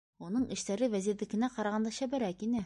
Уның эштәре Вәзирҙекенә ҡарағанда шәберәк ине.